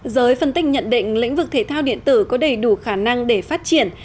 giới phân tích nhận định lĩnh vực thể thao điện tử có đầy đủ khả năng để phát triển